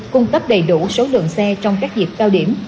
cung cấp đầy đủ số lượng xe trong các dịp cao điểm